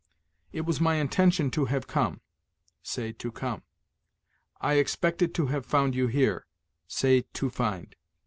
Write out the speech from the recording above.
"It was my intention to have come": say, to come. "I expected to have found you here": say, to find.